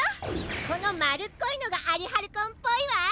このまるっこいのがアリハルコンっぽいわ！